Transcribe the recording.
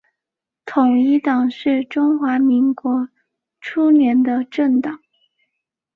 统一党是中华民国初年的政党。